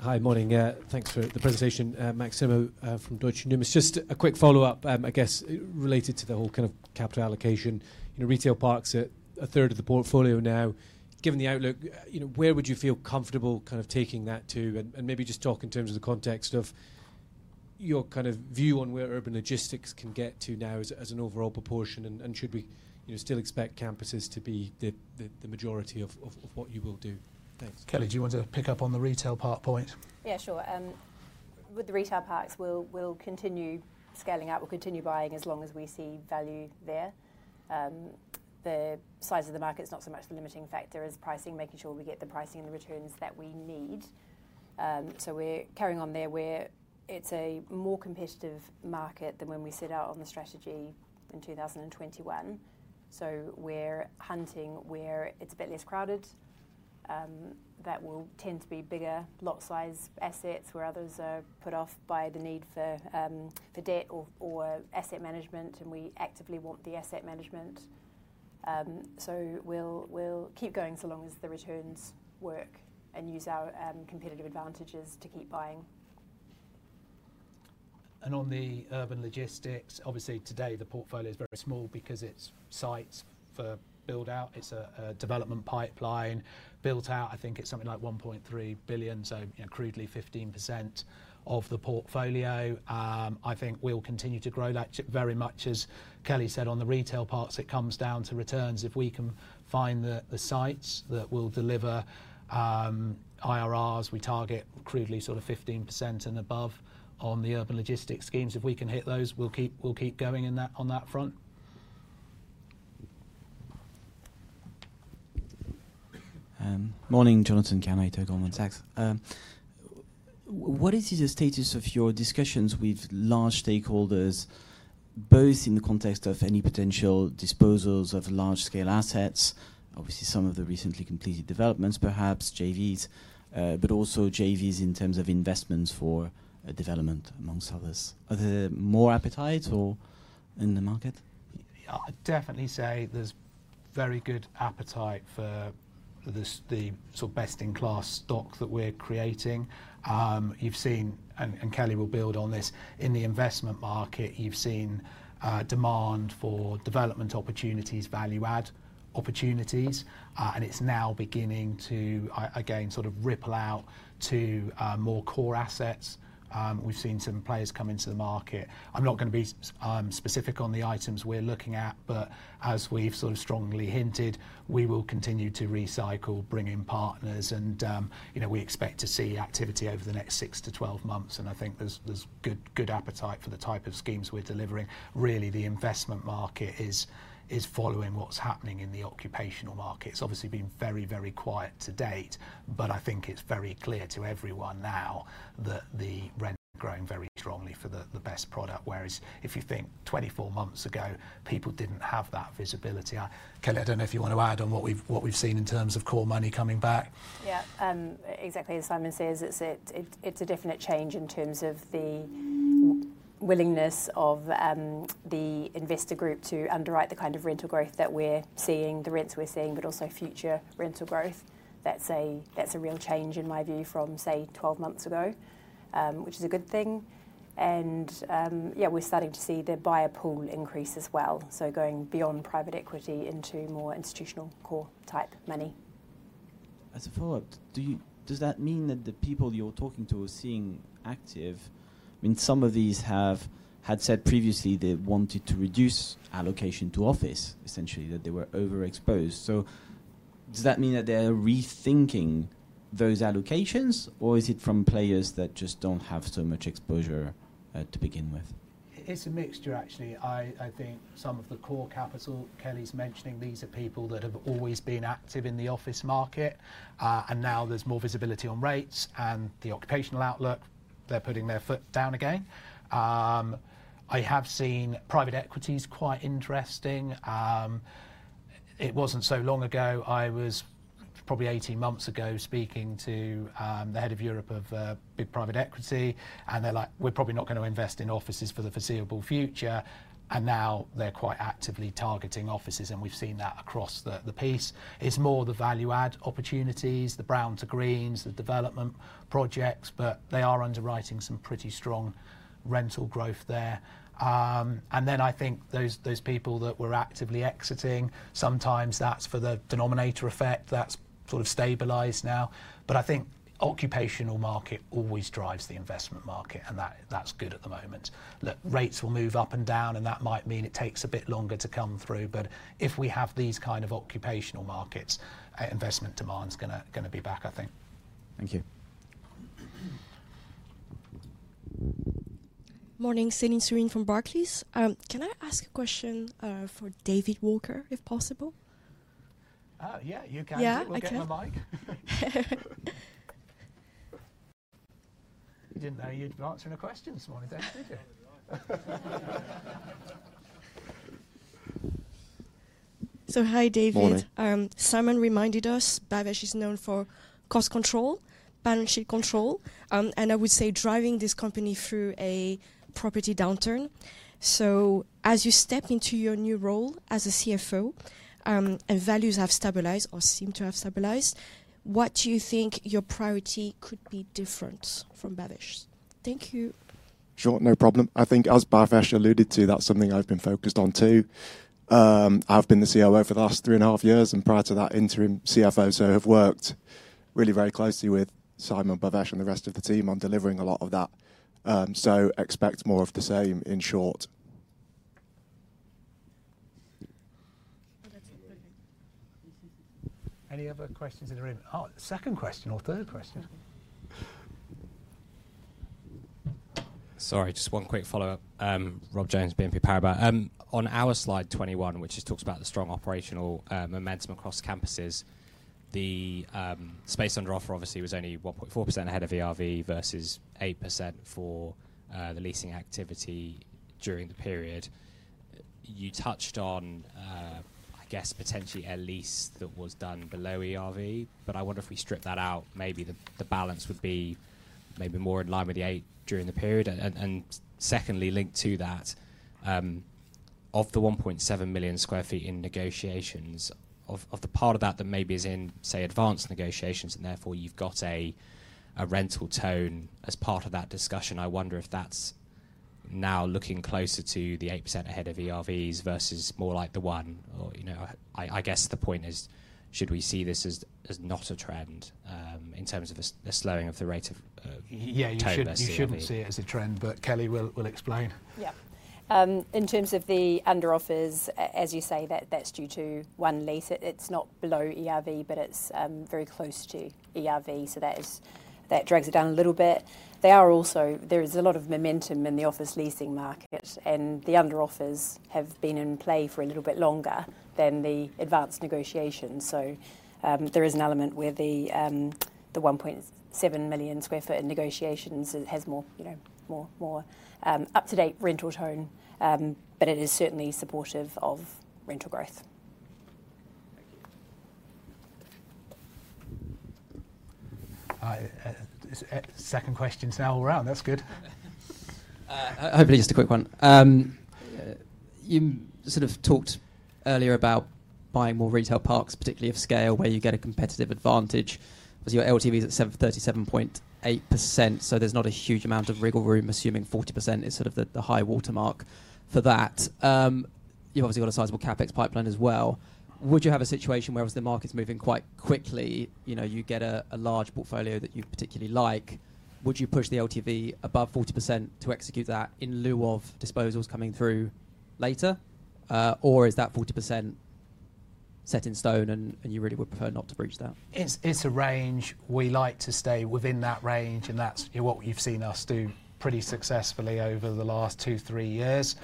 H: Hi, morning. Thanks for the presentation, Max Nimmo from Deutsche Numis. Just a quick follow-up, I guess, related to the whole kind of capital allocation. retail parks are a third of the portfolio now. Given the outlook, where would you feel comfortable kind of taking that to? And maybe just talk in terms of the context of your kind of view on where urban logistics can get to now as an overall proportion, and should we still expect campuses to be the majority of what you will do? Thanks.
A: Kelly, do you want to pick up on the retail park point?
C: Yeah, sure. With the retail parks, we'll continue scaling out. We'll continue buying as long as we see value there. The size of the market is not so much the limiting factor as pricing, making sure we get the pricing and the returns that we need. So we're carrying on there. It's a more competitive market than when we set out on the strategy in 2021. So we're hunting where it's a bit less crowded. That will tend to be bigger lot size assets where others are put off by the need for debt or asset management, and we actively want the asset management. So we'll keep going so long as the returns work and use our competitive advantages to keep buying.
A: On the urban logistics, obviously today the portfolio is very small because it's sites for build-out. It's a development pipeline. Built-out, I think it's something like 1.3 billion, so crudely 15% of the portfolio. I think we'll continue to grow that very much as Kelly said. On the retail parks, it comes down to returns. If we can find the sites that will deliver IRRs, we target crudely sort of 15% and above on the urban logistics schemes. If we can hit those, we'll keep going on that front.
I: Morning, Jonathan Kownator, Goldman Sachs. What is the status of your discussions with large stakeholders, both in the context of any potential disposals of large-scale assets, obviously some of the recently completed developments, perhaps JVs, but also JVs in terms of investments for development, amongst others? Are there more appetites in the market?
A: I'd definitely say there's very good appetite for the sort of best-in-class stock that we're creating. And Kelly will build on this. In the investment market, you've seen demand for development opportunities, value-add opportunities, and it's now beginning to, again, sort of ripple out to more core assets. We've seen some players come into the market. I'm not going to be specific on the items we're looking at, but as we've sort of strongly hinted, we will continue to recycle, bring in partners, and we expect to see activity over the next six to 12 months. And I think there's good appetite for the type of schemes we're delivering. Really, the investment market is following what's happening in the occupational market. It's obviously been very, very quiet to date, but I think it's very clear to everyone now that the rent is growing very strongly for the best product, whereas if you think 24 months ago, people didn't have that visibility. Kelly, I don't know if you want to add on what we've seen in terms of core money coming back.
C: Yeah, exactly as Simon says, it's a definite change in terms of the willingness of the investor group to underwrite the kind of rental growth that we're seeing, the rents we're seeing, but also future rental growth. That's a real change, in my view, from, say, 12 months ago, which is a good thing. And yeah, we're starting to see the buyer pool increase as well, so going beyond private equity into more institutional core type money.
I: As a follow-up, does that mean that the people you're talking to are seeing activity? I mean, some of these had said previously they wanted to reduce allocation to office, essentially, that they were overexposed. So does that mean that they're rethinking those allocations, or is it from players that just don't have so much exposure to begin with?
A: It's a mixture, actually. I think some of the core capital Kelly's mentioning, these are people that have always been active in the office market, and now there's more visibility on rates and the occupational outlook. They're putting their foot down again. I have seen private equity's quite interesting. It wasn't so long ago. I was probably 18 months ago speaking to the head of Europe of big private equity, and they're like, "We're probably not going to invest in offices for the foreseeable future." And now they're quite actively targeting offices, and we've seen that across the piece. It's more the value-add opportunities, the brown to greens, the development projects, but they are underwriting some pretty strong rental growth there. And then I think those people that were actively exiting, sometimes that's for the denominator effect. That's sort of stabilized now. But I think occupational market always drives the investment market, and that's good at the moment. Look, rates will move up and down, and that might mean it takes a bit longer to come through. But if we have these kind of occupational markets, investment demand's going to be back, I think.
I: Thank you.
J: Morning, Céline Soo-Huynh from Barclays. Can I ask a question for David Walker, if possible?
A: Yeah, you can. We'll give him a mic. You didn't know you'd be answering a question this morning, did you?
J: Hi, David. Simon reminded us, Bhavesh is known for cost control, balance sheet control, and I would say driving this company through a property downturn. As you step into your new role as a CFO and values have stabilized or seem to have stabilized, what do you think your priority could be different from Bhavesh's? Thank you.
K: Sure, no problem. I think as Bhavesh alluded to, that's something I've been focused on too. I've been the COO for the last three and a half years, and prior to that, interim CFO. So I have worked really very closely with Simon, Bhavesh, and the rest of the team on delivering a lot of that. So expect more of the same in short.
A: Any other questions in the room? Oh, second question or third question.
D: Sorry, just one quick follow-up. Rob Jones, BNP Paribas. On our slide 21, which talks about the strong operational momentum across campuses, the space under-offer obviously was only 1.4% ahead of ERV versus 8% for the leasing activity during the period. You touched on, I guess, potentially a lease that was done below ERV, but I wonder if we strip that out, maybe the balance would be maybe more in line with the eight during the period. And secondly, linked to that, of the 1.7 million sq ft in negotiations, of the part of that that maybe is in, say, advanced negotiations, and therefore you've got a rental tone as part of that discussion, I wonder if that's now looking closer to the 8% ahead of ERVs versus more like the one. I guess the point is, should we see this as not a trend in terms of a slowing of the rate of core investing?
A: Yeah, you shouldn't see it as a trend, but Kelly will explain.
C: Yeah. In terms of the under-offers, as you say, that's due to one lease. It's not below ERV, but it's very close to ERV, so that drags it down a little bit. There is a lot of momentum in the office leasing market, and the under-offers have been in play for a little bit longer than the advanced negotiations. So there is an element where the 1.7 million sq ft in negotiations has more up-to-date rental tone, but it is certainly supportive of rental growth.
A: Second question's now all around. That's good.
E: Hopefully, just a quick one. You sort of talked earlier about buying more retail parks, particularly of scale, where you get a competitive advantage. Obviously, your LTV is at 37.8%, so there's not a huge amount of wiggle room, assuming 40% is sort of the high watermark for that. You've obviously got a sizable CapEx pipeline as well. Would you have a situation whereas the market's moving quite quickly, you get a large portfolio that you particularly like, would you push the LTV above 40% to execute that in lieu of disposals coming through later, or is that 40% set in stone and you really would prefer not to breach that?
A: It's a range. We like to stay within that range, and that's what you've seen us do pretty successfully over the last two, three years.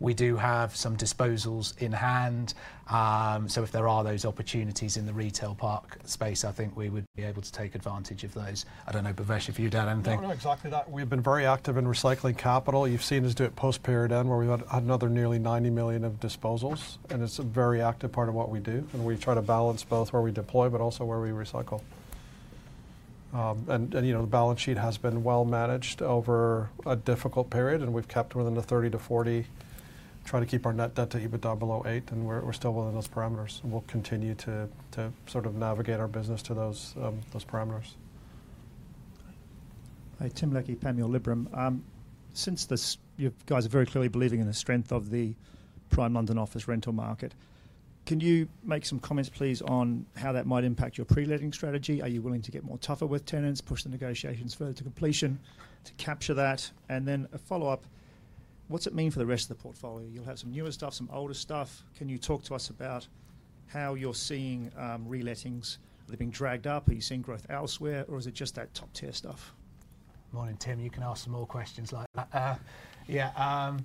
A: We do have some disposals in hand, so if there are those opportunities in the retail park space, I think we would be able to take advantage of those. I don't know, Bhavesh, if you'd add anything?
B: I don't know exactly that. We've been very active in recycling capital. You've seen us do it post-period end, where we had another nearly 90 million of disposals, and it's a very active part of what we do. And we try to balance both where we deploy, but also where we recycle. And the balance sheet has been well managed over a difficult period, and we've kept within the 30%-40%, trying to keep our net debt to EBITDA below eight, and we're still within those parameters. We'll continue to sort of navigate our business to those parameters.
L: Hi, Tim Leckie, Panmure Liberum. Since you guys are very clearly believing in the strength of the Prime London office rental market, can you make some comments, please, on how that might impact your pre-letting strategy? Are you willing to get more tougher with tenants, push the negotiations further to completion to capture that? And then a follow-up, what's it mean for the rest of the portfolio? You'll have some newer stuff, some older stuff. Can you talk to us about how you're seeing re-lettings? Are they being dragged up? Are you seeing growth elsewhere, or is it just that top-tier stuff?
A: Morning, Tim. You can ask some more questions like that. Yeah,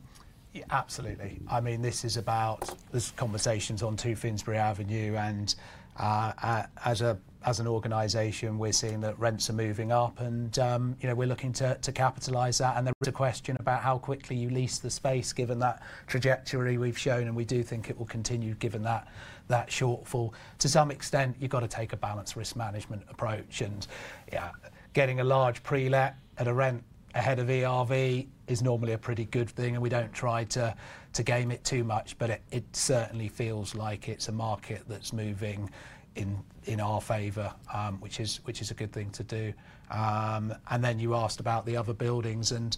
A: absolutely. I mean, this is about this conversation is on 2 Finsbury Avenue, and as an organization, we're seeing that rents are moving up, and we're looking to capitalize that, and there is a question about how quickly you lease the space, given that trajectory we've shown, and we do think it will continue given that shortfall. To some extent, you've got to take a balanced risk management approach, and getting a large pre-let at a rent ahead of ERV is normally a pretty good thing, and we don't try to game it too much, but it certainly feels like it's a market that's moving in our favor, which is a good thing to do. And then you asked about the other buildings, and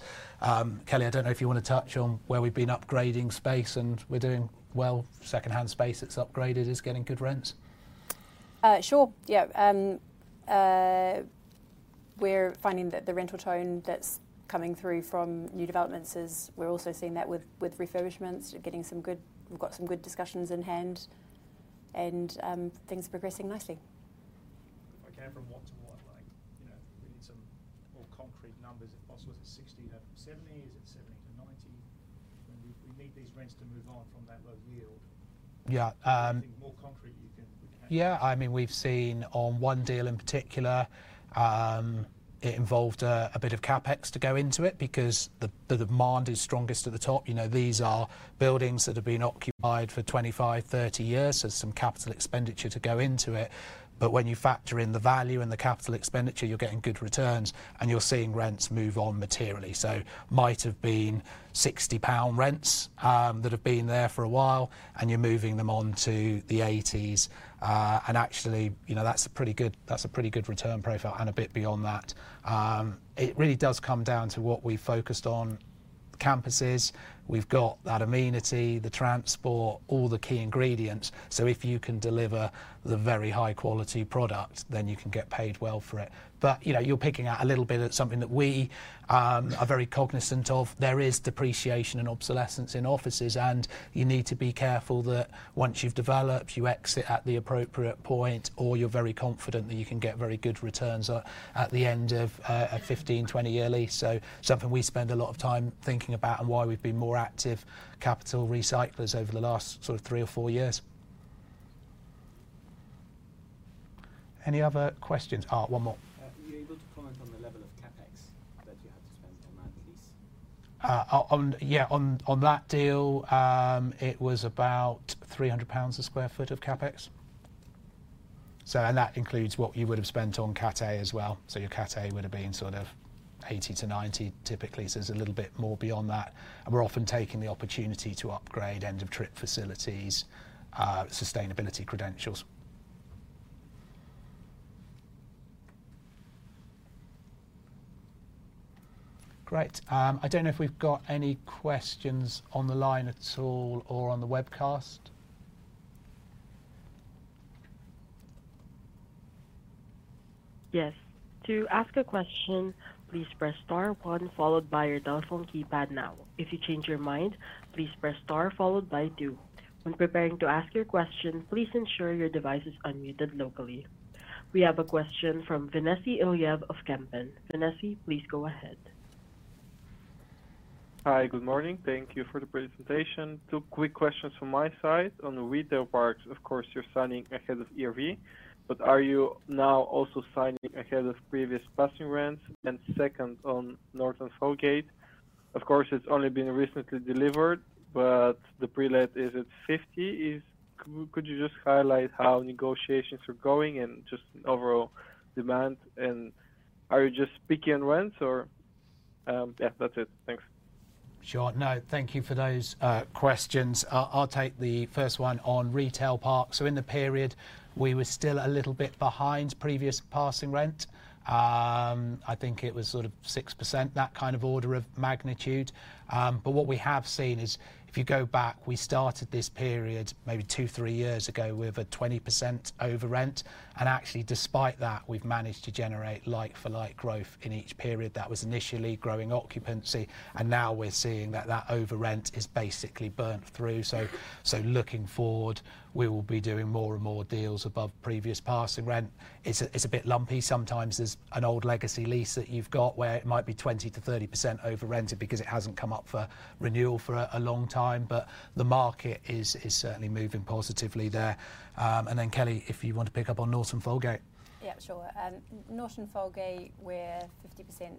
A: Kelly, I don't know if you want to touch on where we've been upgrading space, and we're doing well. Secondhand space that's upgraded is getting good rents.
C: Sure, yeah. We're finding that the rental tone that's coming through from new developments is we're also seeing that with refurbishments. We've got some good discussions in hand, and things are progressing nicely.
L: I came from what to what? We need some more concrete numbers, if possible. Is it 60-70? Is it 70-90? We need these rents to move on from that low yield. I think more concrete you can we can.
A: Yeah, I mean, we've seen on one deal in particular. It involved a bit of CapEx to go into it because the demand is strongest at the top. These are buildings that have been occupied for 25, 30 years, so some capital expenditure to go into it. But when you factor in the value and the capital expenditure, you're getting good returns, and you're seeing rents move on materially. So might have been 60 pound rents that have been there for a while, and you're moving them on to the 80s. And actually, that's a pretty good return profile and a bit beyond that. It really does come down to what we've focused on, campuses. We've got that amenity, the transport, all the key ingredients. So if you can deliver the very high-quality product, then you can get paid well for it. But you're picking out a little bit of something that we are very cognizant of. There is depreciation and obsolescence in offices, and you need to be careful that once you've developed, you exit at the appropriate point, or you're very confident that you can get very good returns at the end of a 15- or 20-year lease. So something we spend a lot of time thinking about and why we've been more active capital recyclers over the last sort of three or four years. Any other questions? Oh, one more.
E: Are you able to comment on the level of CapEx that you had to spend on that lease?
A: Yeah, on that deal, it was about 300 pounds a sq ft of CapEx. And that includes what you would have spent on Cat A as well. So your Cat A would have been sort of 80 to 90 typically, so there's a little bit more beyond that. And we're often taking the opportunity to upgrade end-of-trip facilities, sustainability credentials. Great. I don't know if we've got any questions on the line at all or on the webcast.
M: Yes. To ask a question, please press star one followed by your telephone keypad now. If you change your mind, please press star followed by two. When preparing to ask your question, please ensure your device is unmuted locally. We have a question from Ventsi Iliev of Kempen. Ventsi, please go ahead.
N: Hi, good morning. Thank you for the presentation. Two quick questions from my side. On the retail parks, of course, you're signing ahead of ERV, but are you now also signing ahead of previous passing rents? And second, on Norton Folgate, of course, it's only been recently delivered, but the pre-let is at 50%. Could you just highlight how negotiations are going and just overall demand? And are you just picking rents, or? Yeah, that's it. Thanks.
A: Sure. No, thank you for those questions. I'll take the first one on retail parks. So in the period, we were still a little bit behind previous passing rent. I think it was sort of 6%, that kind of order of magnitude. But what we have seen is if you go back, we started this period maybe two, three years ago with a 20% overrent. And actually, despite that, we've managed to generate like-for-like growth in each period. That was initially growing occupancy, and now we're seeing that that overrent is basically burnt through. So looking forward, we will be doing more and more deals above previous passing rent. It's a bit lumpy. Sometimes there's an old legacy lease that you've got where it might be 20%-30% overrented because it hasn't come up for renewal for a long time, but the market is certainly moving positively there. And then, Kelly, if you want to pick up on Norton Folgate.
C: Yeah, sure. Norton Folgate, we're 50%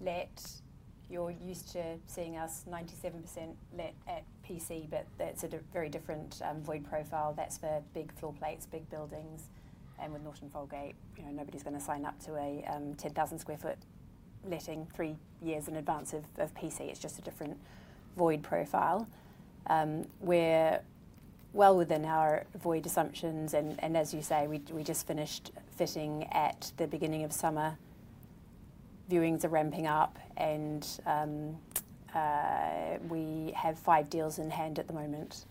C: let. You're used to seeing us 97% let at PC, but that's a very different void profile. That's for big floor plates, big buildings. And with Norton Folgate, nobody's going to sign up to a 10,000 sq ft letting three years in advance of PC. It's just a different void profile. We're well within our void assumptions. And as you say, we just finished fitting at the beginning of summer. Viewings are ramping up, and we have five deals in hand at the moment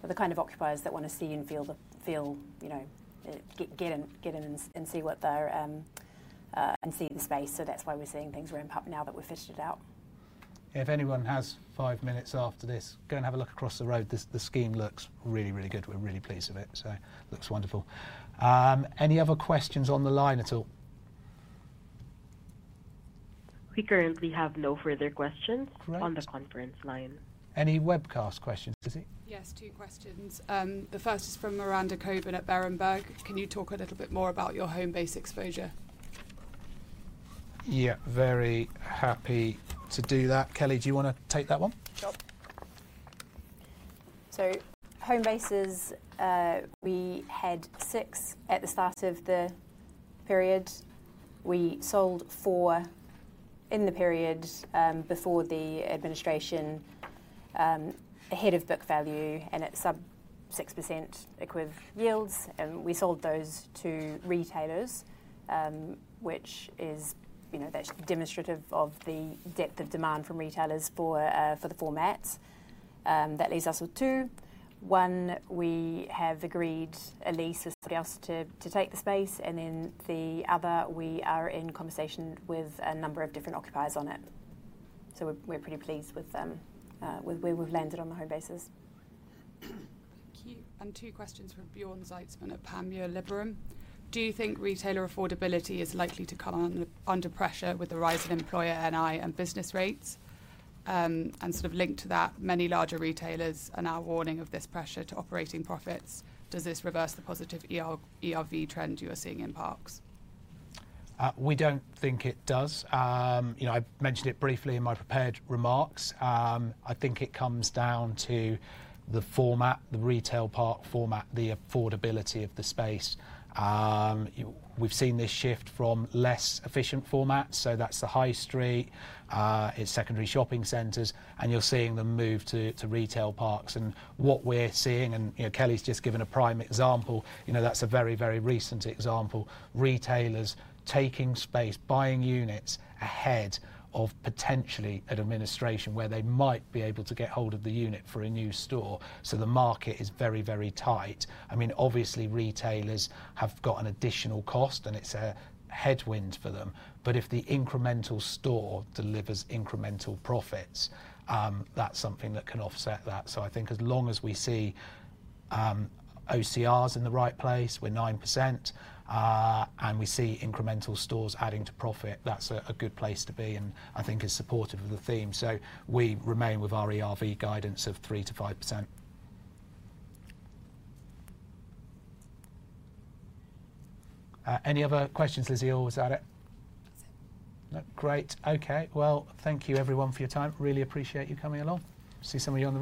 C: for the kind of occupiers that want to see and feel, get in and see what they're. And see the space. So that's why we're seeing things ramp up now that we've fitted it out.
A: If anyone has five minutes after this, go and have a look across the road. The scheme looks really, really good. We're really pleased with it, so it looks wonderful. Any other questions on the line at all?
M: We currently have no further questions on the conference line.
A: Any webcast questions, Lizzie?
O: Yes, two questions. The first is from Miranda Cockburn at Berenberg. Can you talk a little bit more about your Homebase exposure?
A: Yeah, very happy to do that. Kelly, do you want to take that one?
C: Sure. So Homebases, we had six at the start of the period. We sold four in the period before the administration ahead of book value, and at sub-6% equivalent yields. And we sold those to retailers, which is demonstrative of the depth of demand from retailers for the formats. That leaves us with two. One, we have agreed a lease with somebody else to take the space. And then the other, we are in conversation with a number of different occupiers on it. So we're pretty pleased with where we've landed on the Homebases.
O: Thank you. And two questions from Bjorn Zietsman at Panmure Liberum. Do you think retailer affordability is likely to come under pressure with the rise in employer NI and business rates? And sort of linked to that, many larger retailers are now warning of this pressure to operating profits. Does this reverse the positive ERV trend you are seeing in parks?
A: We don't think it does. I mentioned it briefly in my prepared remarks. I think it comes down to the format, the retail park format, the affordability of the space. We've seen this shift from less efficient formats, so that's the high street, it's secondary shopping centers, and you're seeing them move to retail parks. And what we're seeing, and Kelly's just given a prime example, that's a very, very recent example, retailers taking space, buying units ahead of potentially an administration where they might be able to get hold of the unit for a new store. So the market is very, very tight. I mean, obviously, retailers have got an additional cost, and it's a headwind for them. But if the incremental store delivers incremental profits, that's something that can offset that. So I think as long as we see OCRs in the right place, we're 9%, and we see incremental stores adding to profit, that's a good place to be, and I think is supportive of the theme. So we remain with our ERV guidance of 3%-5%. Any other questions, Lizzie, or was that it?
O: That's it.
A: Great. Okay. Well, thank you, everyone, for your time. Really appreciate you coming along. See some of your room.